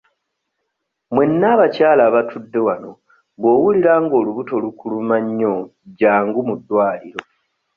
Mwenna abakyala abatudde wano bw'owulira nga olubuto lukuluma nnyo jjangu mu ddwaliro.